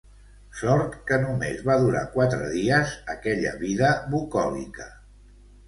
Sort que no més va durar quatre dies aquella vida bucòlica